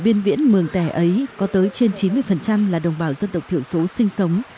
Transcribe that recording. biên viễn mường tẻ ấy có tới trên chín mươi là đồng bào dân tộc thiểu số sinh sống